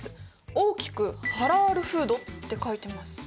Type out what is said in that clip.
大きく「ハラールフード」って書いてます。